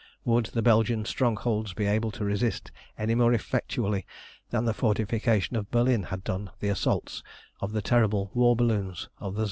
Would the Belgian strongholds be able to resist any more effectually than the fortifications of Berlin had done the assaults of the terrible war balloons of the Tsar?